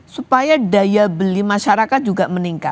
supaya daya beli masyarakat juga meningkat